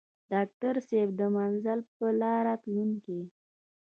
ډاکټر صېب د منزل پۀ لارې تلونکے